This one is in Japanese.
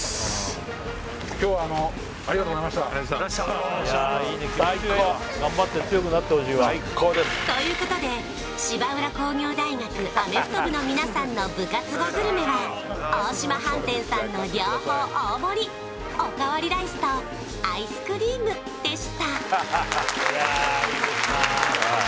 たくさんということで芝浦工業大学アメフト部の皆さんの部活後グルメは大島飯店さんの両方大盛りおかわりライスとアイスクリームでしたいやいいですな